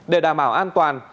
để đảm bảo an toàn